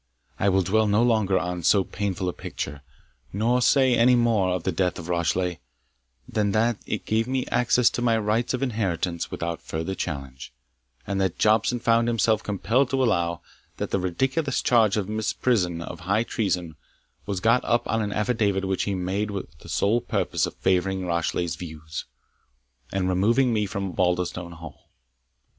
I will dwell no longer on so painful a picture, nor say any more of the death of Rashleigh, than that it gave me access to my rights of inheritance without farther challenge, and that Jobson found himself compelled to allow, that the ridiculous charge of misprision of high treason was got up on an affidavit which he made with the sole purpose of favouring Rashleigh's views, and removing me from Osbaldistone Hall.